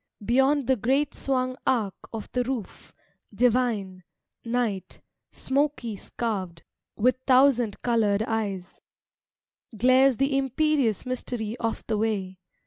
Beyond the great swung arc o' the roof, divine, Night, smoky scarv'd, with thousand coloured eyes Glares the imperious mystery of the way.